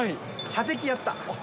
射的やった。